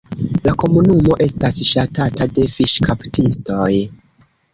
La komunumo estas ŝatata de fiŝkaptistoj.